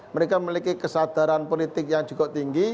mereka memiliki kesadaran politik yang cukup tinggi